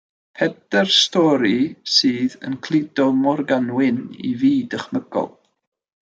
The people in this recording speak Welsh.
Pedair stori sydd yn cludo Morgan Wyn i fyd dychmygol.